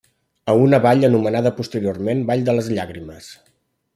A una vall anomenada posteriorment Vall de les llàgrimes.